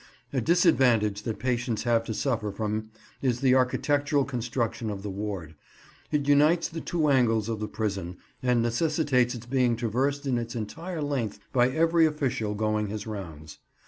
A disadvantage that patients have to suffer from is the architectural construction of the ward: it unites the two angles of the prison, and necessitates its being traversed in its entire length by every official going his rounds.